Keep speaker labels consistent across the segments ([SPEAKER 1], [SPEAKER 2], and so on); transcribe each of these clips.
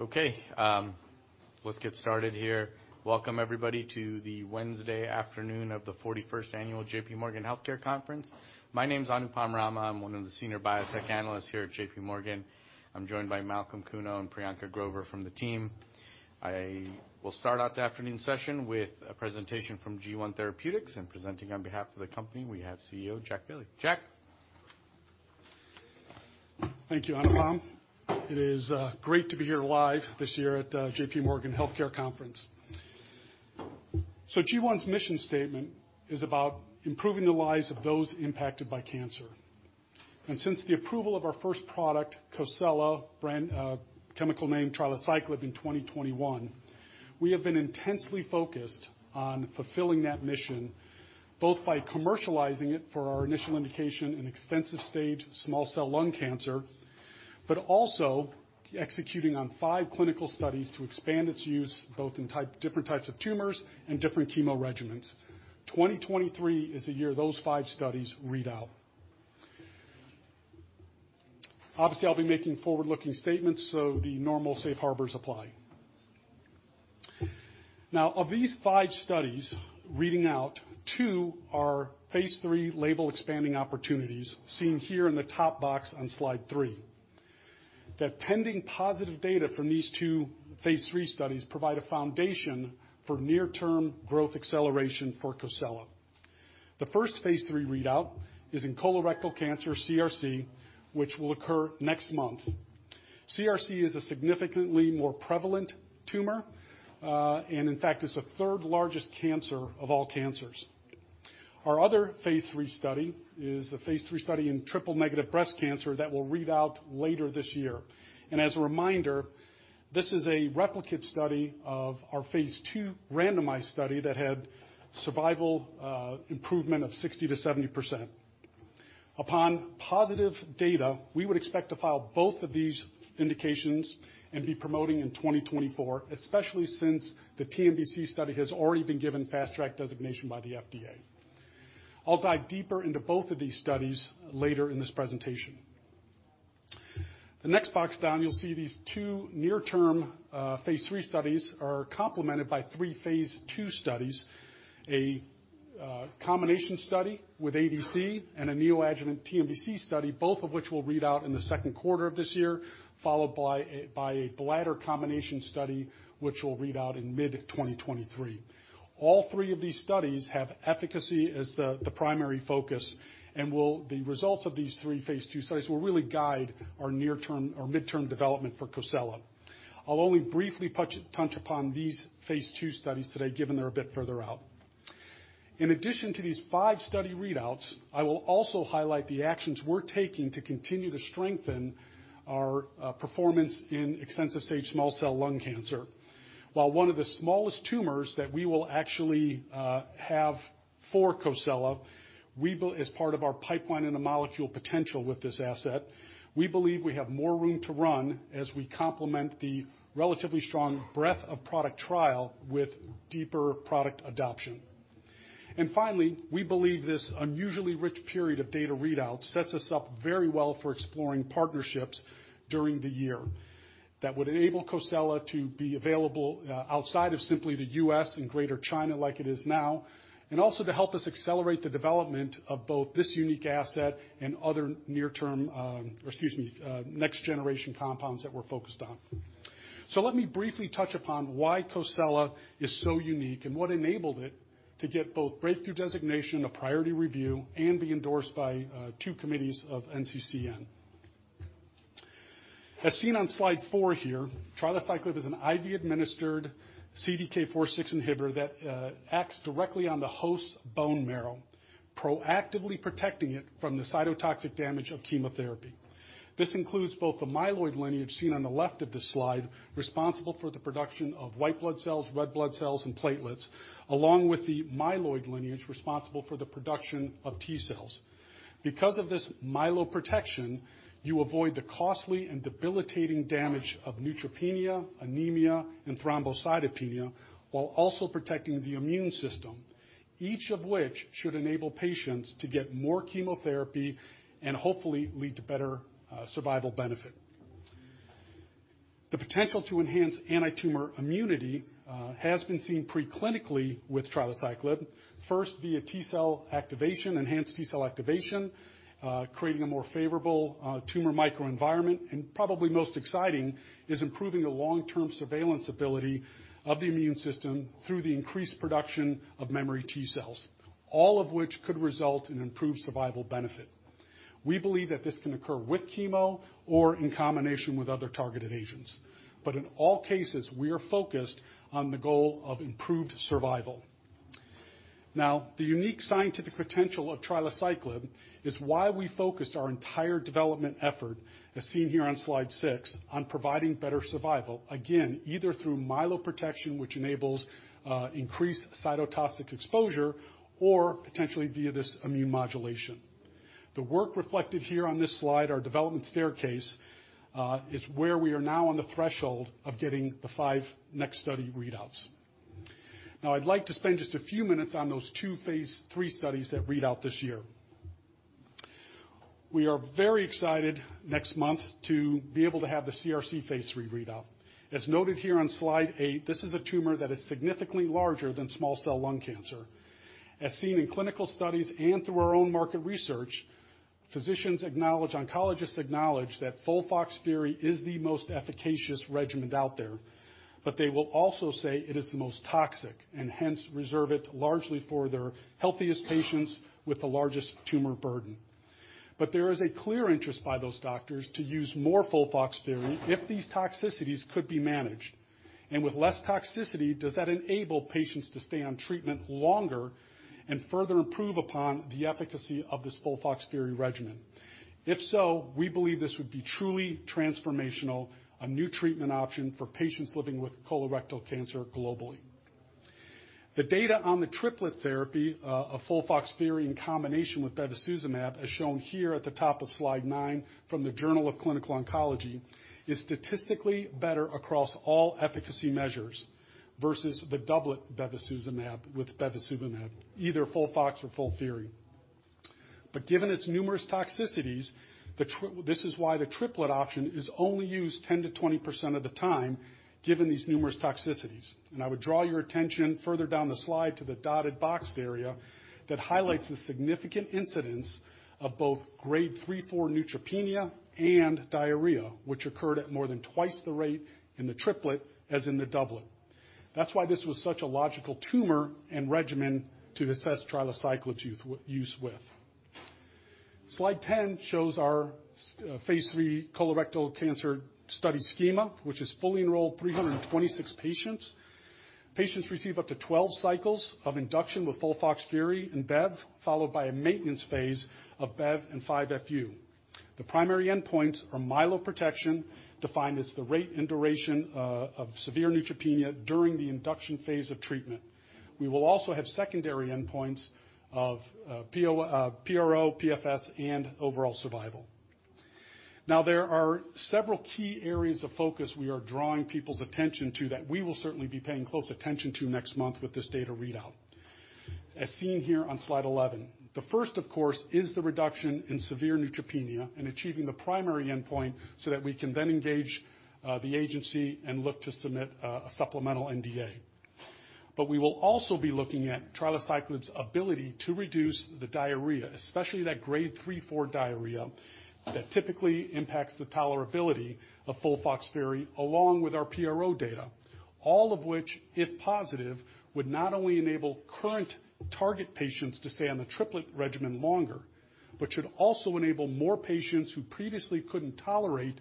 [SPEAKER 1] Okay. Let's get started here. Welcome, everybody, to the Wednesday afternoon of the 41st annual J.P. Morgan Healthcare Conference. My name's Anupam Rama. I'm one of the Senior Biotech Analysts here at J.P. Morgan. I'm joined by Malcolm Kuno and Priyanka Grover from the team. I will start out the afternoon session with a presentation from G1 Therapeutics. Presenting on behalf of the company, we have CEO, Jack Bailey. Jack.
[SPEAKER 2] Thank you, Anupam. It is great to be here live this year at J.P. Morgan Healthcare Conference. G1's mission statement is about improving the lives of those impacted by cancer. Since the approval of our first product, COSELA, chemical name trilaciclib in 2021, we have been intensely focused on fulfilling that mission, both by commercializing it for our initial indication in extensive stage small cell lung cancer, but also executing on five clinical studies to expand its use, both in different types of tumors and different chemo regimens. 2023 is the year those five studies read out. Obviously, I'll be making forward-looking statements, so the normal safe harbors apply. Of these five studies reading out, two are phase III label expanding opportunities, seen here in the top box on slide three. The pending positive data from these two phase III studies provide a foundation for near-term growth acceleration for COSELA. The first phase III readout is in colorectal cancer, CRC, which will occur next month. CRC is a significantly more prevalent tumor, and in fact, it's the third largest cancer of all cancers. Our other phase III study is a phase III study in triple-negative breast cancer that will read out later this year. As a reminder, this is a replicate study of our phase II randomized study that had survival improvement of 60%-70%. Upon positive data, we would expect to file both of these indications and be promoting in 2024, especially since the TNBC study has already been given Fast Track designation by the FDA. I'll dive deeper into both of these studies later in this presentation. The next box down, you'll see these two near-term phase III studies are complemented by three phase II studies, a combination study with ADC and a neoadjuvant TNBC study, both of which will read out in the 2Q of this year, followed by a bladder combination study, which will read out in mid-2023. All three of these studies have efficacy as the primary focus, the results of these three phase II studies will really guide our near-term or midterm development for COSELA. I'll only briefly touch upon these phase II studies today, given they're a bit further out. In addition to these five study readouts, I will also highlight the actions we're taking to continue to strengthen our performance in extensive stage small cell lung cancer. While one of the smallest tumors that we will actually have for COSELA, as part of our pipeline and the molecule potential with this asset, we believe we have more room to run as we complement the relatively strong breadth of product trial with deeper product adoption. Finally, we believe this unusually rich period of data readouts sets us up very well for exploring partnerships during the year that would enable COSELA to be available outside of simply the U.S. and greater China like it is now, and also to help us accelerate the development of both this unique asset and other near-term, or excuse me, next generation compounds that we're focused on. Let me briefly touch upon why COSELA is so unique and what enabled it to get both Breakthrough designation, a priority review, and be endorsed by two committees of NCCN. As seen on slide four here, trilaciclib is an IV administered CDK4/6 inhibitor that acts directly on the host's bone marrow, proactively protecting it from the cytotoxic damage of chemotherapy. This includes both the myeloid lineage seen on the left of this slide, responsible for the production of white blood cells, red blood cells, and platelets, along with the myeloid lineage responsible for the production of T cells. Because of this myeloprotection, you avoid the costly and debilitating damage of neutropenia, anemia, and thrombocytopenia while also protecting the immune system, each of which should enable patients to get more chemotherapy and hopefully lead to better survival benefit. The potential to enhance antitumor immunity has been seen pre-clinically with trilaciclib, first via T-cell activation, enhanced T-cell activation, creating a more favorable tumor microenvironment. Probably most exciting is improving the long-term surveillance ability of the immune system through the increased production of memory T cells, all of which could result in improved survival benefit. We believe that this can occur with chemo or in combination with other targeted agents. In all cases, we are focused on the goal of improved survival. The unique scientific potential of trilaciclib is why we focused our entire development effort, as seen here on slide six, on providing better survival, again, either through myeloprotection, which enables increased cytotoxic exposure or potentially via this immunomodulation. The work reflected here on this slide, our development staircase, is where we are now on the threshold of getting the five next study readouts. I'd like to spend just a few minutes on those two phase III studies that read out this year. We are very excited next month to be able to have the CRC phase III readout. As noted here on slide eight, this is a tumor that is significantly larger than small cell lung cancer. As seen in clinical studies and through our own market research, physicians acknowledge, oncologists acknowledge that FOLFOXIRI is the most efficacious regimen out there. They will also say it is the most toxic and hence reserve it largely for their healthiest patients with the largest tumor burden. There is a clear interest by those doctors to use more FOLFOXIRI if these toxicities could be managed. With less toxicity, does that enable patients to stay on treatment longer and further improve upon the efficacy of this FOLFOXIRI regimen? If so, we believe this would be truly transformational, a new treatment option for patients living with colorectal cancer globally. The data on the triplet therapy of FOLFOXIRI in combination with bevacizumab, as shown here at the top of slide nine from the Journal of Clinical Oncology, is statistically better across all efficacy measures versus the doublet bevacizumab with bevacizumab, either FOLFOX or FOLFOXIRI. Given its numerous toxicities, this is why the triplet option is only used 10%-20% of the time, given these numerous toxicities. I would draw your attention further down the slide to the dotted boxed area that highlights the significant incidence of both Grade 3/4 neutropenia and diarrhea, which occurred at more than twice the rate in the triplet as in the doublet. That's why this was such a logical tumor and regimen to assess trilaciclib use with. Slide 10 shows our phase III colorectal cancer study schema, which is fully enrolled 326 patients. Patients receive up to 12 cycles of induction with FOLFOXIRI and Bev, followed by a maintenance phase of Bev and 5-FU. The primary endpoints are myeloprotection, defined as the rate and duration of severe neutropenia during the induction phase of treatment. We will also have secondary endpoints of PRO, PFS, and overall survival. There are several key areas of focus we are drawing people's attention to that we will certainly be paying close attention to next month with this data readout. As seen here on slide 11. The first, of course, is the reduction in severe neutropenia and achieving the primary endpoint so that we can then engage the agency and look to submit a supplemental New Drug Application. We will also be looking at trilaciclib's ability to reduce the diarrhea, especially that Grade 3/4 diarrhea that typically impacts the tolerability of FOLFOXIRI, along with our PRO data. All of which, if positive, would not only enable current target patients to stay on the triplet regimen longer, but should also enable more patients who previously couldn't tolerate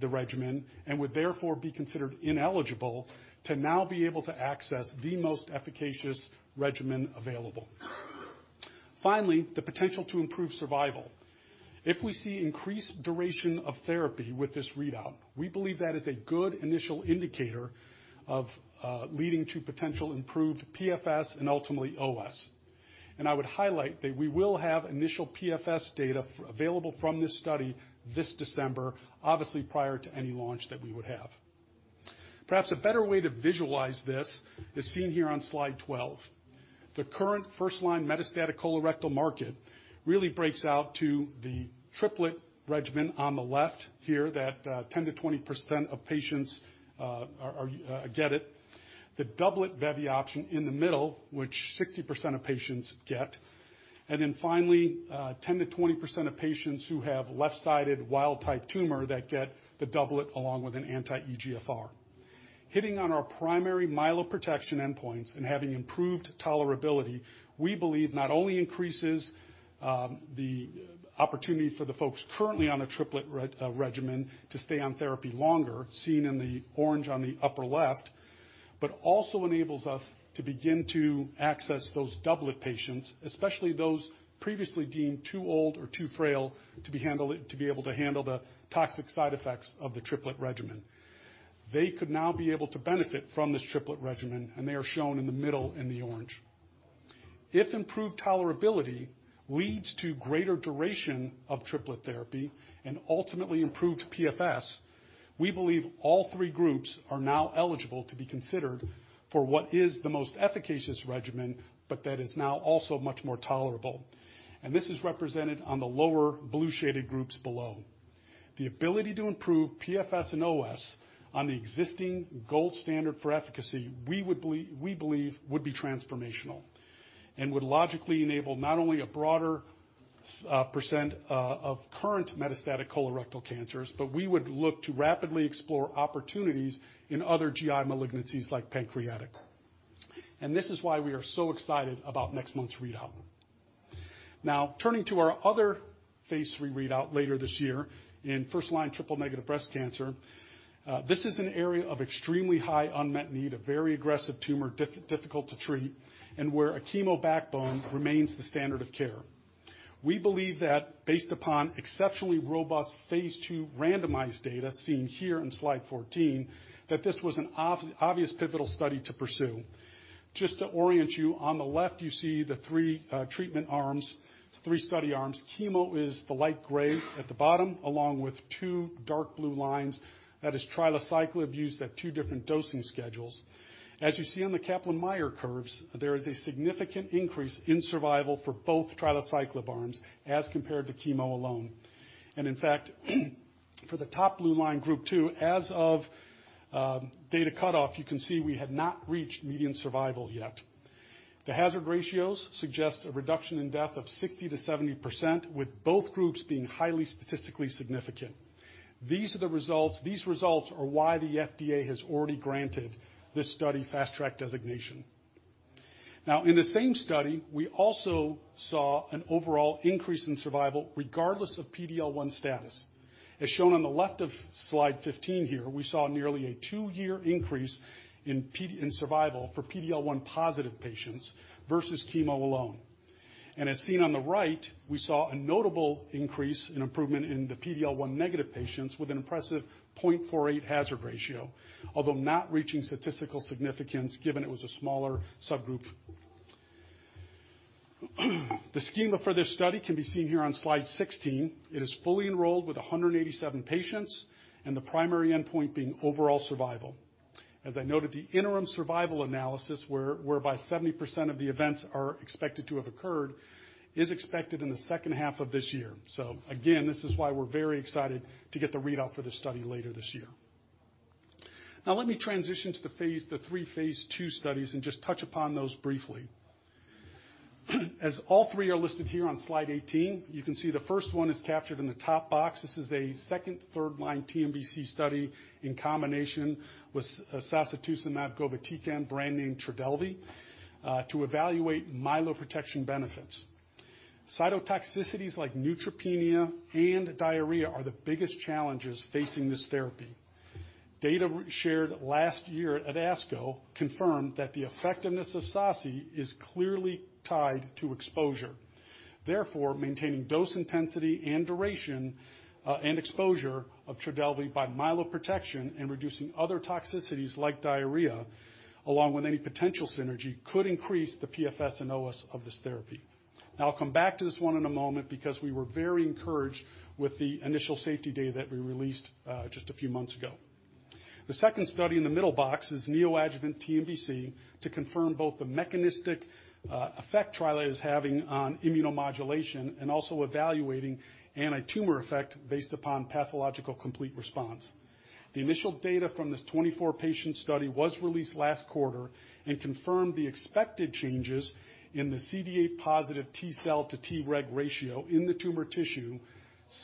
[SPEAKER 2] the regimen and would therefore be considered ineligible to now be able to access the most efficacious regimen available. Finally, the potential to improve survival. If we see increased duration of therapy with this readout, we believe that is a good initial indicator of leading to potential improved PFS and ultimately OS. I would highlight that we will have initial PFS data available from this study this December, obviously prior to any launch that we would have. Perhaps a better way to visualize this is seen here on slide 12. The current first-line metastatic colorectal market really breaks out to the triplet regimen on the left here that 10%-20% of patients are get it. The doublet Bev option in the middle, which 60% of patients get. Finally, 10%-20% of patients who have left-sided wild type tumor that get the doublet along with an anti-EGFR. Hitting on our primary myeloprotection endpoints and having improved tolerability, we believe not only increases the opportunity for the folks currently on a triplet regimen to stay on therapy longer, seen in the orange on the upper left, but also enables us to begin to access those doublet patients, especially those previously deemed too old or too frail to be able to handle the toxic side effects of the triplet regimen. They could now be able to benefit from this triplet regimen, and they are shown in the middle in the orange. If improved tolerability leads to greater duration of triplet therapy and ultimately improved PFS, we believe all three groups are now eligible to be considered for what is the most efficacious regimen, but that is now also much more tolerable. This is represented on the lower blue-shaded groups below. The ability to improve PFS and OS on the existing gold standard for efficacy, we believe would be transformational and would logically enable not only a broader percent of current metastatic colorectal cancers, but we would look to rapidly explore opportunities in other GI malignancies like pancreatic. This is why we are so excited about next month's readout. Turning to our other phase III readout later this year in first-line triple negative breast cancer. This is an area of extremely high unmet need, a very aggressive tumor, difficult to treat, and where a chemo backbone remains the standard of care. We believe that based upon exceptionally robust phase II randomized data seen here in slide 14, that this was an obvious pivotal study to pursue. Just to orient you, on the left you see the three treatment arms, three study arms. Chemo is the light gray at the bottom, along with two dark blue lines. That is trilaciclib used at two different dosing schedules. As you see on the Kaplan-Meier curves, there is a significant increase in survival for both trilaciclib arms as compared to chemo alone. In fact, for the top blue line, Group 2, as of data cutoff, you can see we have not reached median survival yet. The hazard ratios suggest a reduction in death of 60%-70%, with both groups being highly statistically significant. These results are why the FDA has already granted this study Fast Track designation. Now, in the same study, we also saw an overall increase in survival regardless of PDL1 status. As shown on the left of slide 15 here, we saw nearly a two-year increase in survival for PDL1 positive patients versus chemo alone. As seen on the right, we saw a notable increase in improvement in the PDL1 negative patients with an impressive 0.48 hazard ratio, although not reaching statistical significance given it was a smaller subgroup. The schema for this study can be seen here on slide 16. It is fully enrolled with 187 patients, and the primary endpoint being overall survival. As I noted, the interim survival analysis, whereby 70% of the events are expected to have occurred, is expected in the second half of this year. Again, this is why we're very excited to get the readout for this study later this year. Now let me transition to the three phase II studies and just touch upon those briefly. As all three are listed here on slide 18, you can see the first one is captured in the top box. This is a second third line TNBC study in combination with sacituzumab govitecan, brand name Trodelvy, to evaluate myeloprotection benefits. Cytotoxicities like neutropenia and diarrhea are the biggest challenges facing this therapy. Data shared last year at ASCO confirmed that the effectiveness of saci is clearly tied to exposure. Therefore, maintaining dose intensity and duration and exposure of Trodelvy by myeloprotection and reducing other toxicities like diarrhea, along with any potential synergy, could increase the PFS and OS of this therapy. I'll come back to this one in a moment because we were very encouraged with the initial safety data that we released just a few months ago. The second study in the middle box is neoadjuvant TNBC to confirm both the mechanistic effect Trila is having on immunomodulation and also evaluating antitumor effect based upon pathological complete response. The initial data from this 24 patient study was released last quarter and confirmed the expected changes in the CD8 positive T-cell to Treg ratio in the tumor tissue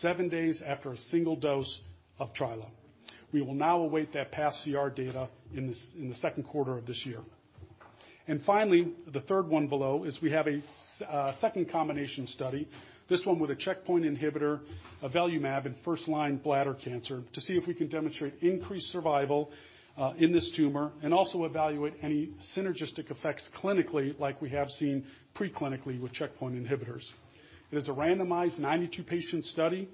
[SPEAKER 2] seven days after a single dose of Trila. We will now await that path CR data in this, in the second quarter of this year. Finally, the third one below is we have a second combination study, this one with a checkpoint inhibitor, avelumab in first-line bladder cancer to see if we can demonstrate increased survival in this tumor and also evaluate any synergistic effects clinically like we have seen preclinically with checkpoint inhibitors. It is a randomized 92 patient study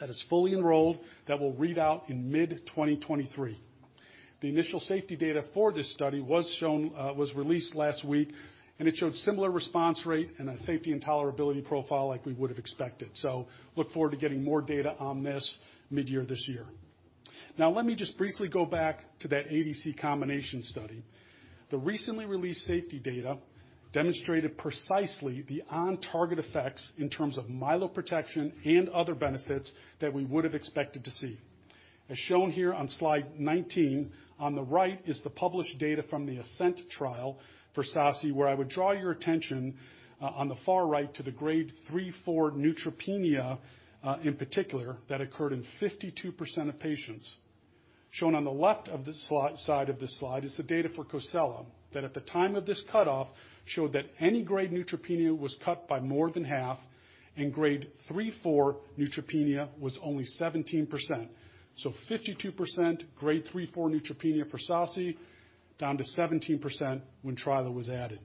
[SPEAKER 2] that is fully enrolled that will read out in mid-2023. The initial safety data for this study was shown, was released last week, and it showed similar response rate and a safety and tolerability profile like we would have expected. Look forward to getting more data on this mid-year this year. Now let me just briefly go back to that ADC combination study. The recently released safety data demonstrated precisely the on-target effects in terms of myeloprotection and other benefits that we would have expected to see. Shown here on slide 19, on the right is the published data from the ASCENT trial for Saci, where I would draw your attention on the far right to the grade 3/4 neutropenia, in particular, that occurred in 52% of patients. Shown on the left side of this slide is the data for COSELA, that at the time of this cutoff, showed that any grade neutropenia was cut by more than half, and grade 3/4 neutropenia was only 17%. 52% grade 3/4 neutropenia for Saci, down to 17% when Trila was added.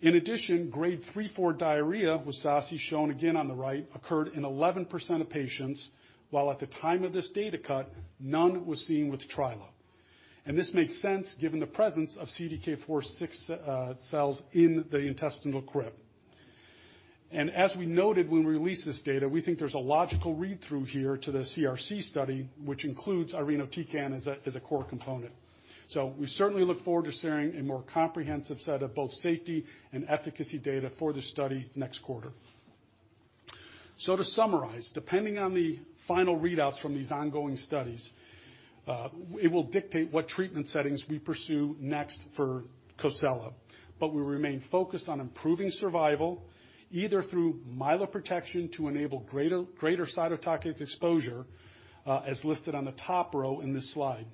[SPEAKER 2] In addition, grade 3/4 diarrhea with Saci shown again on the right, occurred in 11% of patients, while at the time of this data cut, none was seen with Trila. This makes sense given the presence of CDK4/6 cells in the intestinal crypt. As we noted when we released this data, we think there's a logical read-through here to the CRC study, which includes irinotecan as a core component. We certainly look forward to sharing a more comprehensive set of both safety and efficacy data for this study next quarter. To summarize, depending on the final readouts from these ongoing studies, it will dictate what treatment settings we pursue next for COSELA. We remain focused on improving survival, either through myeloprotection to enable greater cytotoxic exposure, as listed on the top row in this slide.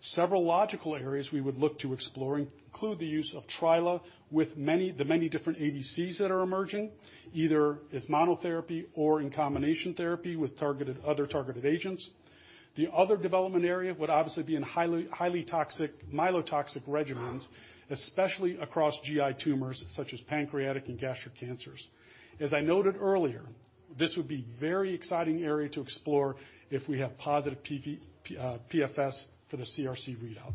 [SPEAKER 2] Several logical areas we would look to explore include the use of trila with the many different ADCs that are emerging, either as monotherapy or in combination therapy with other targeted agents. The other development area would obviously be in highly myelotoxic regimens, especially across GI tumors such as pancreatic and gastric cancers. As I noted earlier, this would be very exciting area to explore if we have positive PFS for the CRC readout.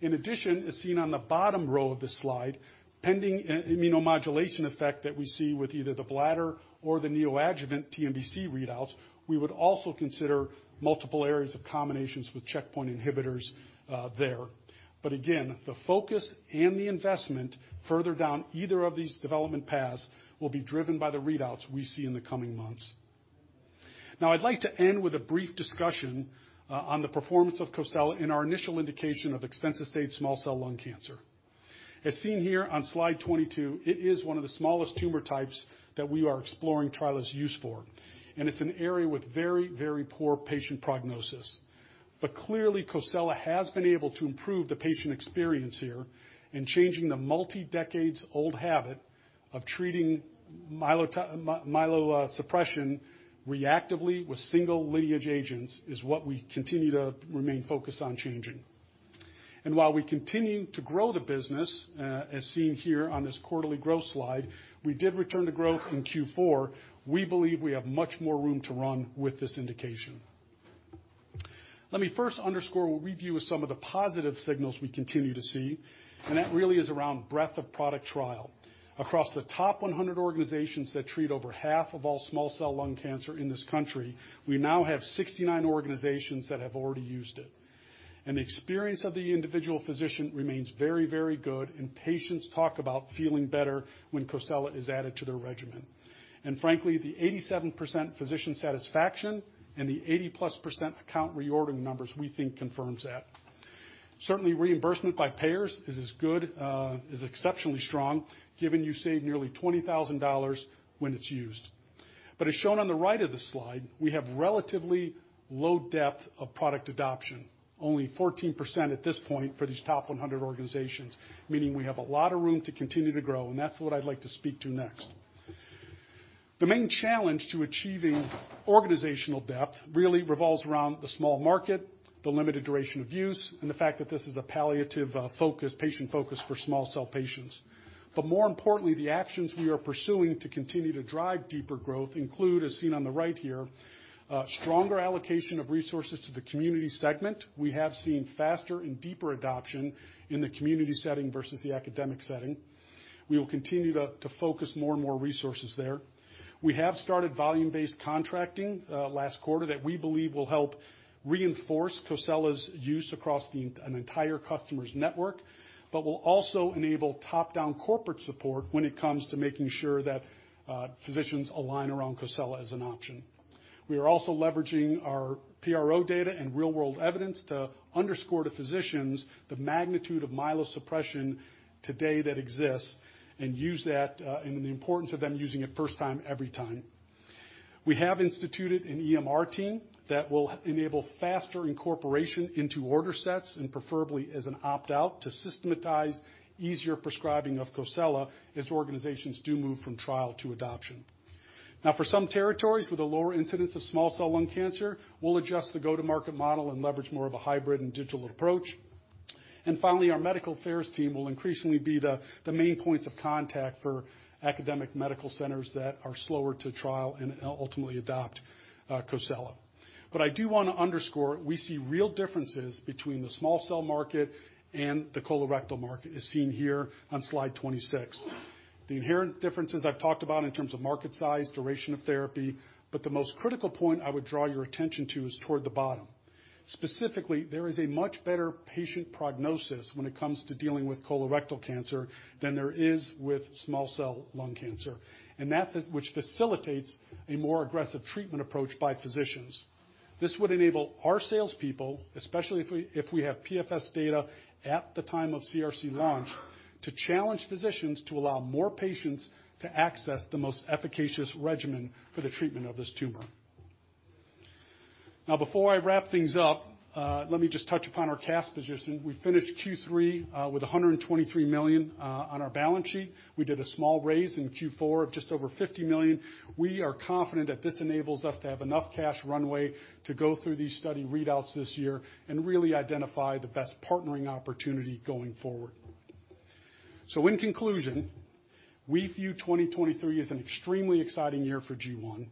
[SPEAKER 2] In addition, as seen on the bottom row of this slide, pending immunomodulation effect that we see with either the bladder or the neoadjuvant TNBC readouts, we would also consider multiple areas of combinations with checkpoint inhibitors there. Again, the focus and the investment further down either of these development paths will be driven by the readouts we see in the coming months. Now I'd like to end with a brief discussion on the performance of COSELA in our initial indication of extensive stage small cell lung cancer. As seen here on slide 22, it is one of the smallest tumor types that we are exploring trial is used for. It's an area with very, very poor patient prognosis. Clearly, COSELA has been able to improve the patient experience here in changing the multi-decades old habit of treating myelosuppression reactively with single lineage agents, is what we continue to remain focused on changing. While we continue to grow the business, as seen here on this quarterly growth slide, we did return to growth in Q4. We believe we have much more room to run with this indication. Let me first underscore, we'll review some of the positive signals we continue to see, and that really is around breadth of product trial. Across the top 100 organizations that treat over half of all small cell lung cancer in this country, we now have 69 organizations that have already used it. The experience of the individual physician remains very, very good, and patients talk about feeling better when COSELA is added to their regimen. Frankly, the 87% physician satisfaction and the 80%+ account reordering numbers, we think confirms that. Certainly, reimbursement by payers is as good, is exceptionally strong, given you save nearly $20,000 when it's used. As shown on the right of the slide, we have relatively low depth of product adoption. Only 14% at this point for these top 100 organizations. Meaning we have a lot of room to continue to grow, and that's what I'd like to speak to next. The main challenge to achieving organizational depth really revolves around the small market, the limited duration of use, and the fact that this is a palliative, focus, patient focus for small cell patients. More importantly, the actions we are pursuing to continue to drive deeper growth include, as seen on the right here, stronger allocation of resources to the community segment. We have seen faster and deeper adoption in the community setting versus the academic setting. We will continue to focus more and more resources there. We have started volume-based contracting, last quarter that we believe will help reinforce COSELA's use across an entire customer's network, but will also enable top-down corporate support when it comes to making sure that physicians align around COSELA as an option. We are also leveraging our PRO data and real-world evidence to underscore to physicians the magnitude of myelosuppression today that exists, and use that in the importance of them using it first time, every time. We have instituted an EMR team that will enable faster incorporation into order sets, and preferably as an opt-out to systematize easier prescribing of COSELA as organizations do move from trial to adoption. For some territories with a lower incidence of small cell lung cancer, we'll adjust the go-to-market model and leverage more of a hybrid and digital approach. Finally, our medical affairs team will increasingly be the main points of contact for academic medical centers that are slower to trial and ultimately adopt, COSELA. I do wanna underscore, we see real differences between the small cell market and the colorectal market, as seen here on slide 26. The inherent differences I've talked about in terms of market size, duration of therapy, but the most critical point I would draw your attention to is toward the bottom. Specifically, there is a much better patient prognosis when it comes to dealing with colorectal cancer than there is with small cell lung cancer. That is which facilitates a more aggressive treatment approach by physicians. This would enable our salespeople, especially if we have PFS data at the time of CRC launch, to challenge physicians to allow more patients to access the most efficacious regimen for the treatment of this tumor. Before I wrap things up, let me just touch upon our cash position. We finished Q3 with $123 million on our balance sheet. We did a small raise in Q4 of just over $50 million. We are confident that this enables us to have enough cash runway to go through these study readouts this year and really identify the best partnering opportunity going forward. In conclusion, we view 2023 as an extremely exciting year for G1.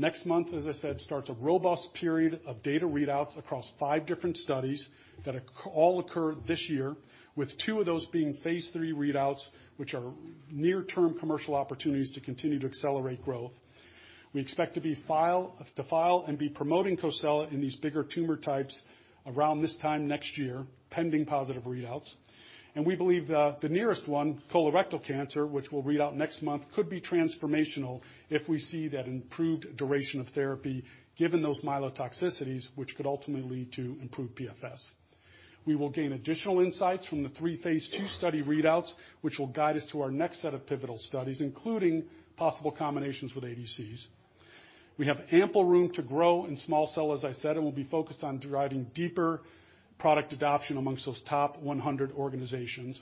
[SPEAKER 2] Next month, as I said, starts a robust period of data readouts across five different studies that all occur this year, with two of those being phase III readouts, which are near-term commercial opportunities to continue to accelerate growth. We expect to file and be promoting COSELA in these bigger tumor types around this time next year, pending positive readouts. We believe the nearest one, colorectal cancer, which we'll read out next month, could be transformational if we see that improved duration of therapy given those myelotoxicities, which could ultimately lead to improved PFS. We will gain additional insights from the three phase II study readouts, which will guide us to our next set of pivotal studies, including possible combinations with ADCs. We have ample room to grow in small cell, as I said, we'll be focused on driving deeper product adoption amongst those top 100 organizations.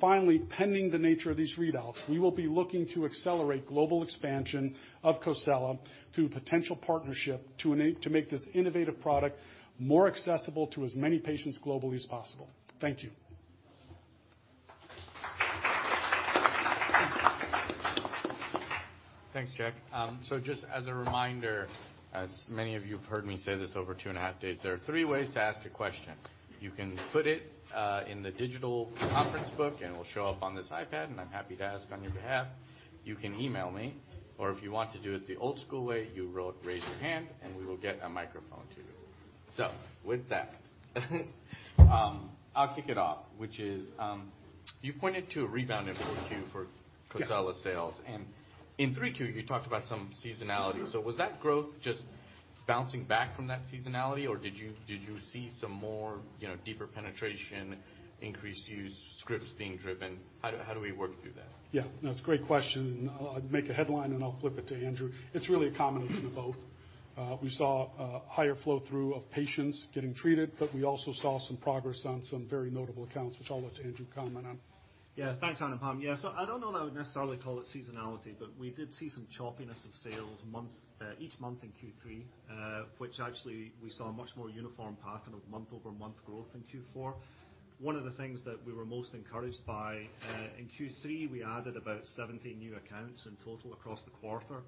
[SPEAKER 2] Finally, pending the nature of these readouts, we will be looking to accelerate global expansion of COSELA through potential partnership to make this innovative product more accessible to as many patients globally as possible. Thank you.
[SPEAKER 1] Thanks, Jack. Just as a reminder, as many of you have heard me say this over 2.5 days, there are three ways to ask a question. You can put it in the digital conference book, and it will show up on this iPad, and I'm happy to ask on your behalf. You can email me, or if you want to do it the old school way, you raise your hand, and we will get a microphone to you. With that I'll kick it off, which is, you pointed to a rebound in Q4 for COSELA sales, in 3Q, you talked about some seasonality, was that growth just bouncing back from that seasonality, or did you see some more, you know, deeper penetration, increased use, scripts being driven? How do we work through that?
[SPEAKER 2] Yeah. No, it's a great question. I'll make a headline, I'll flip it to Andrew. It's really a combination of both. We saw higher flow through of patients getting treated, we also saw some progress on some very notable accounts, which I'll let Andrew comment on.
[SPEAKER 3] Yeah. Thanks, Anupam. Yeah. I don't know that I would necessarily call it seasonality, but we did see some choppiness of sales month, each month in Q3. Which actually we saw a much more uniform pattern of month-over-month growth in Q4. One of the things that we were most encouraged by, in Q3, we added about 70 new accounts in total across the quarter,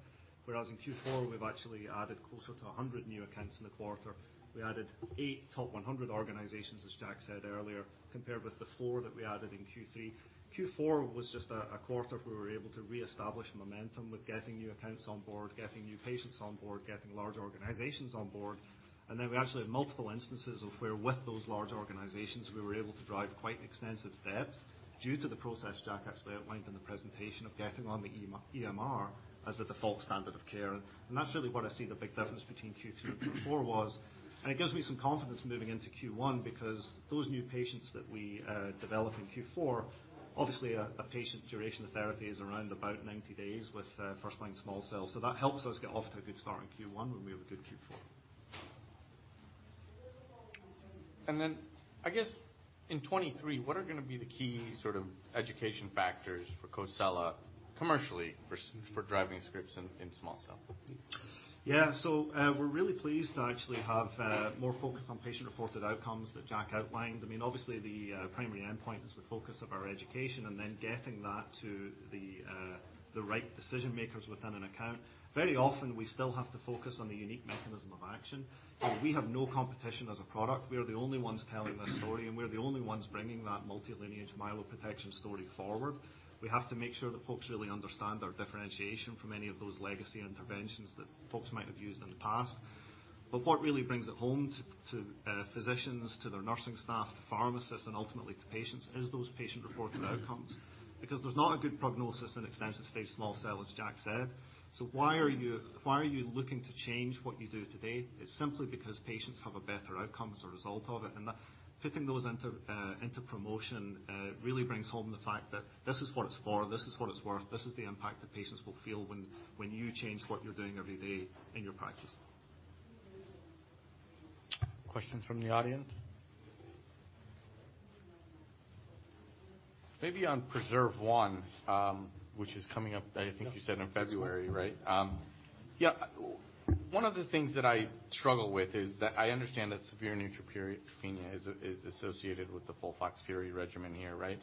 [SPEAKER 3] whereas in Q4, we've actually added closer to 100 new accounts in the quarter. We added eight top 100 organizations, as Jack said earlier, compared with the four that we added in Q3. Q4 was just a quarter we were able to reestablish momentum with getting new accounts on board, getting new patients on board, getting large organizations on board. Then we actually had multiple instances of where, with those large organizations, we were able to drive quite extensive depth due to the process Jack actually outlined in the presentation of getting on the EMR as the default standard of care. That's really where I see the big difference between Q3 and Q4 was. It gives me some confidence moving into Q1 because those new patients that we develop in Q4, obviously a patient duration of therapy is around about 90 days with first line small cells. That helps us get off to a good start in Q1 when we have a good Q4.
[SPEAKER 1] I guess in 2023, what are going to be the key sort of education factors for COSELA commercially for driving scripts in small cell?
[SPEAKER 3] Yeah. I mean, obviously the primary endpoint is the focus of our education and then getting that to the right decision makers within an account. Very often, we still have to focus on the unique mechanism of action. We have no competition as a product. We are the only ones telling this story, and we're the only ones bringing that multi-lineage myeloprotection story forward. We have to make sure that folks really understand our differentiation from any of those legacy interventions that folks might have used in the past. What really brings it home to physicians, to their nursing staff, to pharmacists, and ultimately to patients, is those patient-reported outcomes. There's not a good prognosis in extensive stage small cell, as Jack said. Why are you looking to change what you do today is simply because patients have a better outcome as a result of it. That fitting those into promotion really brings home the fact that this is what it's for, this is what it's worth, this is the impact that patients will feel when you change what you're doing every day in your practice.
[SPEAKER 1] Questions from the audience? Maybe on PRESERVE 1, which is coming up, I think you said in February, right? Yeah, one of the things that I struggle with is that I understand that severe neutropenia is associated with the FOLFOXIRI regimen here, right?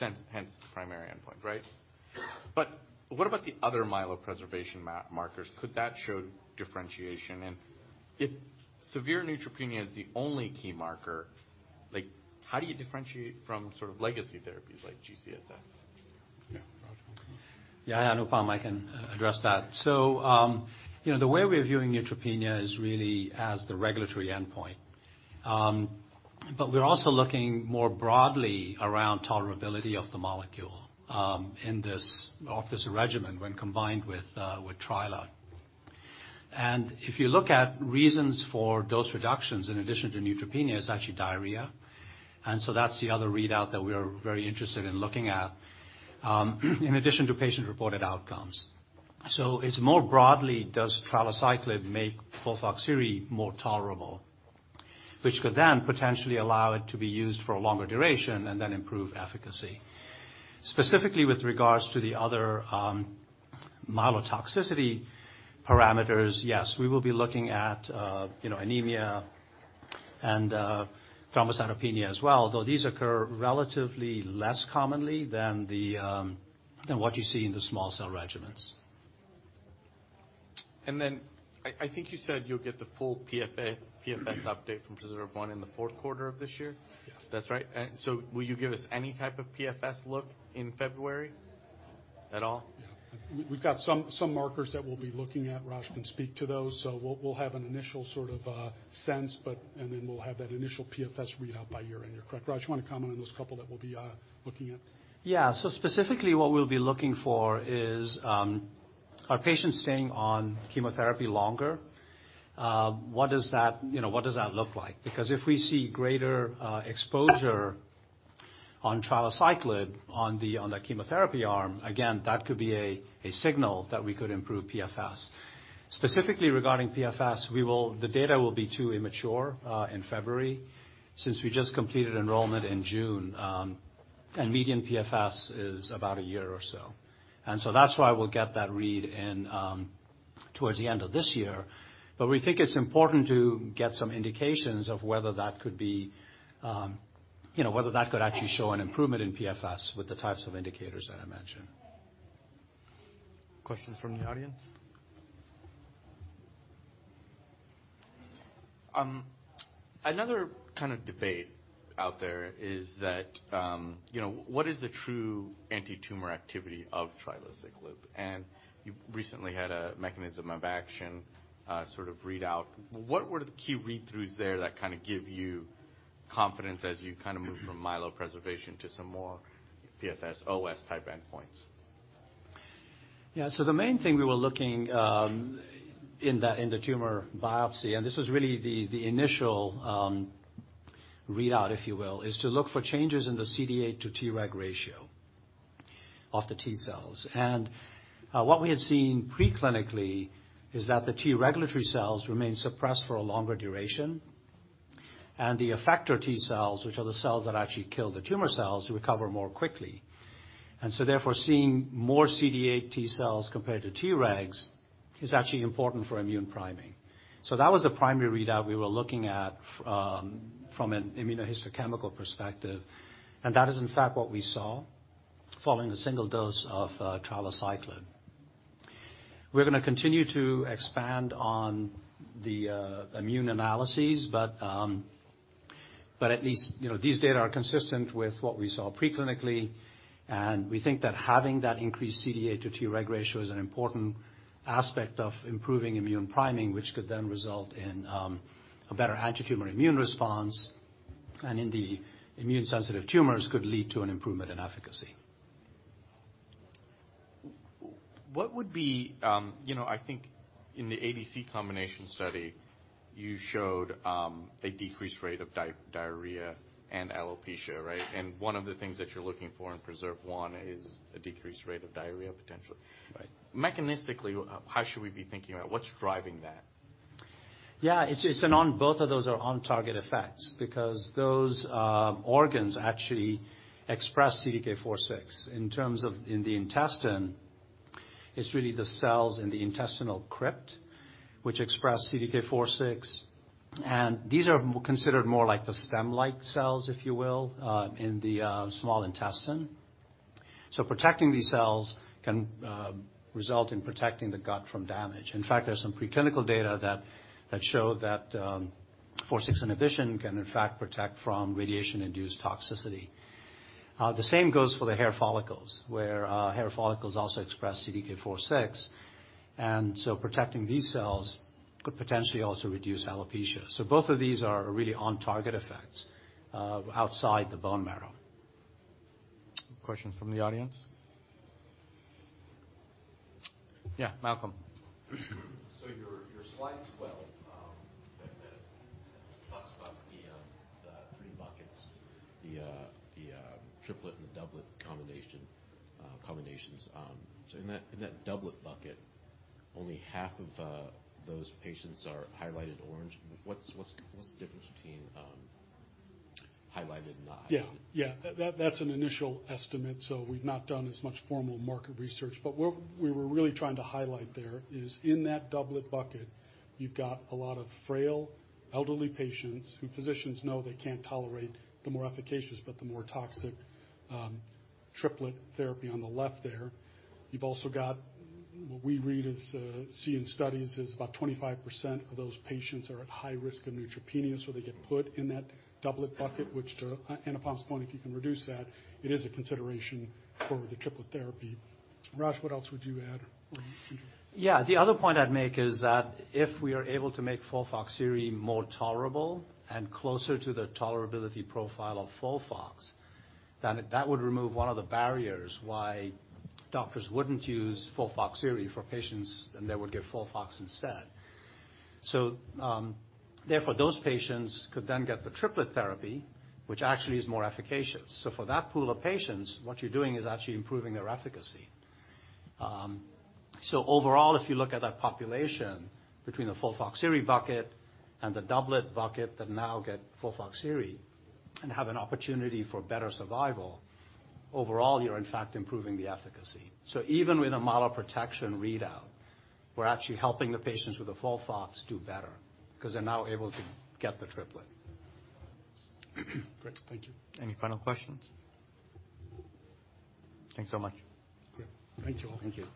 [SPEAKER 1] Hence the primary endpoint, right? What about the other myelopreservation markers? Could that show differentiation? If severe neutropenia is the only key marker, like, how do you differentiate from sort of legacy therapies like G-CSF?
[SPEAKER 2] Yeah. Raj?
[SPEAKER 4] Yeah. Yeah, Anupam, I can address that. You know, the way we're viewing neutropenia is really as the regulatory endpoint. We're also looking more broadly around tolerability of the molecule in this off this regimen when combined with trilaciclib. If you look at reasons for dose reductions in addition to neutropenia, it's actually diarrhea. That's the other readout that we are very interested in looking at, in addition to patient-reported outcomes. It's more broadly, does trilaciclib make FOLFOXIRI more tolerable, which could then potentially allow it to be used for a longer duration and then improve efficacy specifically with regards to the other myelotoxicity parameters, yes, we will be looking at, you know, anemia and thrombocytopenia as well, though these occur relatively less commonly than what you see in the small cell regimens.
[SPEAKER 1] I think you said you'll get the full PFS update from PRESERVE 1 in the fourth quarter of this year?
[SPEAKER 4] Yes.
[SPEAKER 1] That's right. Will you give us any type of PFS look in February at all?
[SPEAKER 2] Yeah. We've got some markers that we'll be looking at. Raj can speak to those. We'll have an initial sort of sense, but. Then we'll have that initial PFS readout by year-end. You're correct. Raj, you wanna comment on those couple that we'll be looking at?
[SPEAKER 4] Yeah. Specifically what we'll be looking for is, are patients staying on chemotherapy longer? What does that, you know, what does that look like? Because if we see greater exposure on trilaciclib on the chemotherapy arm, again, that could be a signal that we could improve PFS. Specifically regarding PFS, the data will be too immature in February since we just completed enrollment in June. Median PFS is about one year or so. That's why we'll get that read in towards the end of this year. We think it's important to get some indications of whether that could be, you know, whether that could actually show an improvement in PFS with the types of indicators that I mentioned.
[SPEAKER 1] Questions from the audience? Another kind of debate out there is that, you know, what is the true antitumor activity of trilaciclib? You recently had a mechanism of action, sort of readout. What were the key read-throughs there that kind of give you confidence as you kind of move from myelopreservation to some more PFS OS type endpoints?
[SPEAKER 3] Yeah. The main thing we were looking in the tumor biopsy, and this was really the initial readout, if you will, is to look for changes in the CD8 to Treg ratio of the T cells. What we had seen pre-clinically is that the T regulatory cells remain suppressed for a longer duration. The effector T cells, which are the cells that actually kill the tumor cells, recover more quickly. Therefore seeing more CD8 T cells compared to Tregs is actually important for immune priming. That was the primary readout we were looking at from an immunohistochemical perspective, and that is in fact what we saw following a single dose of trilaciclib. We're gonna continue to expand on the immune analyses, but at least, you know, these data are consistent with what we saw pre-clinically. We think that having that increased CD8 to Treg ratio is an important aspect of improving immune priming, which could then result in a better antitumor immune response, and in the immune sensitive tumors could lead to an improvement in efficacy.
[SPEAKER 1] What would be, you know, I think in the ADC combination study, you showed, a decreased rate of diarrhea and alopecia, right? One of the things that you're looking for in PRESERVE 1 is a decreased rate of diarrhea, potentially.
[SPEAKER 3] Right.
[SPEAKER 1] Mechanistically, how should we be thinking about what's driving that?
[SPEAKER 3] Both of those are on-target effects because those organs actually express CDK4/6. In terms of in the intestine, it's really the cells in the intestinal crypt which express CDK4/6, and these are considered more like the stem-like cells, if you will, in the small intestine. Protecting these cells can result in protecting the gut from damage. In fact, there's some preclinical data that show that four six inhibition can in fact protect from radiation-induced toxicity. The same goes for the hair follicles, where hair follicles also express CDK4/6, so protecting these cells could potentially also reduce alopecia. Both of these are really on-target effects outside the bone marrow.
[SPEAKER 1] Questions from the audience? Yeah, Malcolm.
[SPEAKER 5] Your slide 12, that talks about the three buckets, the triplet and the doublet combinations. In that doublet bucket, only half of those patients are highlighted orange. What's the difference between highlighted and not highlighted?
[SPEAKER 2] Yeah. That's an initial estimate, so we've not done as much formal market research. What we were really trying to highlight there is in that doublet bucket, you've got a lot of frail elderly patients who physicians know they can't tolerate the more efficacious but the more toxic triplet therapy on the left there. You've also got what we read as, see in studies is about 25% of those patients are at high risk of neutropenia. They get put in that doublet bucket, Anupam's point, if you can reduce that, it is a consideration for the triplet therapy. Raj, what else would you add or improve?
[SPEAKER 4] The other point I'd make is that if we are able to make FOLFOXIRI more tolerable and closer to the tolerability profile of FOLFOX, then that would remove one of the barriers why doctors wouldn't use FOLFOXIRI for patients, and they would get FOLFOX instead. Therefore, those patients could then get the triplet therapy, which actually is more efficacious. For that pool of patients, what you're doing is actually improving their efficacy. Overall, if you look at that population between the FOLFOXIRI bucket and the doublet bucket that now get FOLFOXIRI and have an opportunity for better survival, overall, you're in fact improving the efficacy. Even with a myeloprotection readout, we're actually helping the patients with the FOLFOX do better 'cause they're now able to get the triplet.
[SPEAKER 5] Great. Thank you.
[SPEAKER 1] Any final questions? Thanks so much.
[SPEAKER 2] Great. Thank you all.
[SPEAKER 3] Thank you.